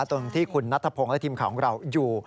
ตรงที่คุณนัทธพงศ์และทีมข่าวของเราอยู่